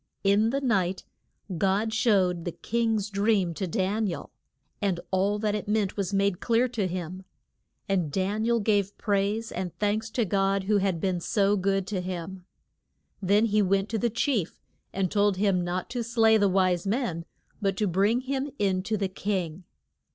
In the night God showed the king's dream to Dan i el, and all that it meant was made clear to him. And Dan i el gave praise and thanks to God who had been so good to him. Then he went to the chief, and told him not to slay the wise men, but to bring him in to the king.